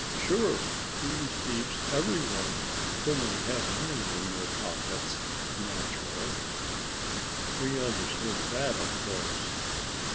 "Sure! He receives every one, when they have money in their pockets ... naturally." We understood that, of course.